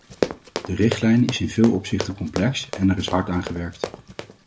De richtlijn is in veel opzichten complex, en er is hard aan gewerkt.